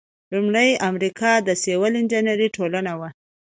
لومړۍ د امریکا د سیول انجینری ټولنه وه.